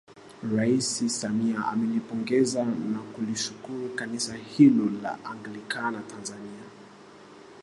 Rais Samia amelipongeza na kulishukuru Kanisa hilo la Anglikana Tanzania